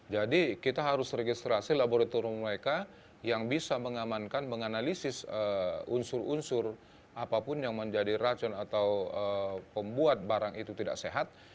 jadi kita harus registrasi laboratorium mereka yang bisa mengamankan menganalisis unsur unsur apapun yang menjadi racun atau pembuat barang itu tidak sehat